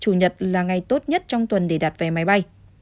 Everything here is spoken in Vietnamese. chủ nhật là ngày tốt nhất trong tuần để đặt vé máy bay